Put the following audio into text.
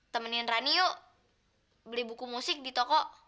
temenin rani yuk beli buku musik di toko